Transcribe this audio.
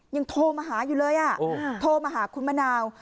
ยังโทรมาหาอยู่เลยโทรมาหาคุณมะนาว